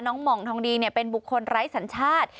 น้องหมองทองดีเนี่ยเป็นบุคคลไร้สัญชาติ